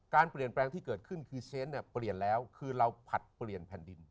การเปลี่ยนแปลงที่เกิดขึ้นคือเช้นเนี่ยเปลี่ยนแล้วคือเราผลัดเปลี่ยนแผ่นดิน